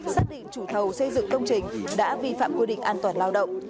xác định chủ thầu xây dựng công trình đã vi phạm quy định an toàn lao động